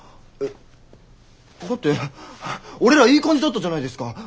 えだって俺らいい感じだったじゃないですか。